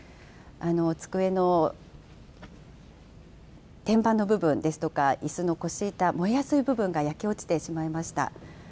机の天板の部分ですとか、いすの腰板、燃えやすい部分が焼け落ちてしまいました。